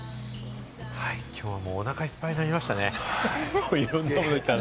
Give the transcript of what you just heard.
今日はもう、おなかいっぱいになりましたね。